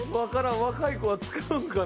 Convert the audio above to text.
若い子は使うんかな？